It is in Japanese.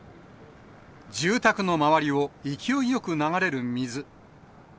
住宅の周りを勢いよく流れる水。